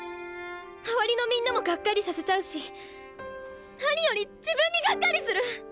周りのみんなもがっかりさせちゃうし何より自分にがっかりする！